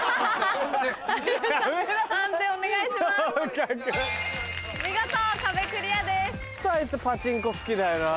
ホントあいつパチンコ好きだよなぁ。